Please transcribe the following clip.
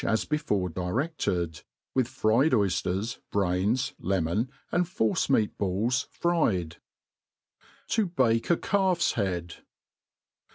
%j garaift as before direded, with fried oyflers, braini, kmonp and force meat balls fried. To bate a Calf's Head.